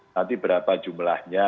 nanti berapa jumlahnya